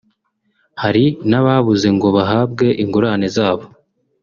hari n’ababuze ngo bahabwe ingurane zabo